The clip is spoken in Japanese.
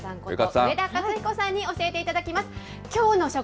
上田勝彦さんに教えていただきます。